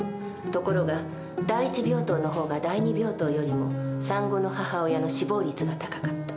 ところが第一病棟の方が第二病棟よりも産後の母親の死亡率が高かった。